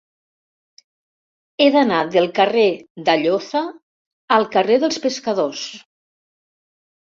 He d'anar del carrer d'Alloza al carrer dels Pescadors.